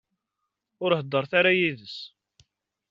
Ur heddṛet ara yid-s.